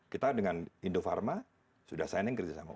kita dengan indofarma sudah signing kerjasama